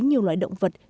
nhiều loài động vật